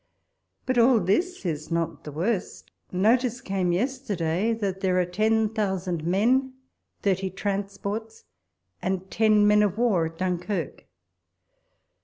But all this is not the worst. Notice came yesterday, that there are ten thousand men, thirty transports, and ten men of war 'at Dunkirk.